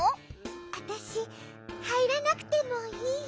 あたしはいらなくてもいい？